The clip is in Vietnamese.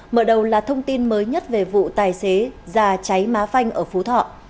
mở đầu là thông tin mới nhất về vụ tài xế già cháy má phanh ở phú thọ